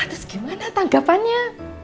terus gimana tanggapannya